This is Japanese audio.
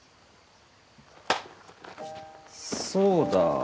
そうだ。